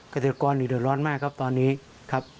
เกษตรกรเดือดร้อนมากครับตอนนี้ครับ